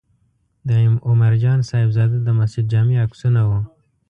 د عمر جان صاحبزاده د مسجد جامع عکسونه و.